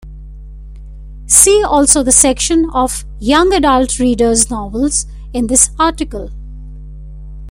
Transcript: See also the section of "Young Adult Readers Novels" in this article.